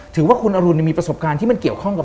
ถือว่าคุณอรุณมีประสบการณ์ที่มันเกี่ยวข้องกับ